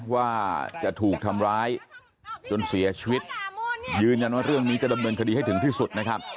ว่าจะถูกทำร้ายจนเสียชีวิตยืนยันว่าเรื่องนี้จะดำเนินคดีให้ถึงที่สุดนะครับ